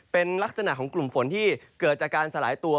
เป็นลักษณะของกลุ่มฝนที่เกิดจากการสลายตัว